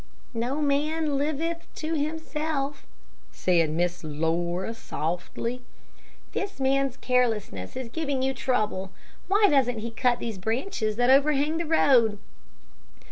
"No man liveth to himself," said Miss Laura, softly. "This man's carelessness is giving you trouble. Why doesn't he cut these branches that overhang the road?"